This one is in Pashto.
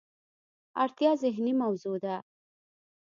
اړتیا ذهني موضوع ده.